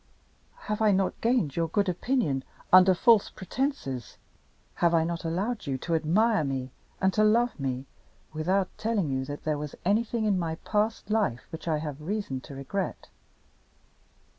"Have I not gained your good opinion under false pretenses? Have I not allowed you to admire me and to love me without telling you that there was anything in my past life which I have reason to regret?